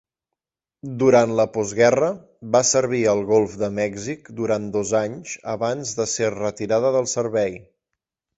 Durant la postguerra, va servir al golf de Mèxic durant dos anys abans de ser retirada del servei.